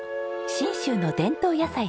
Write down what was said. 信州の伝統野菜